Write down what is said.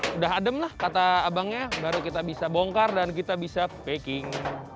sudah adem lah kata abangnya baru kita bisa bongkar dan kita bisa packing